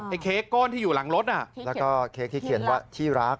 เค้กก้อนที่อยู่หลังรถน่ะแล้วก็เค้กที่เขียนว่าที่รัก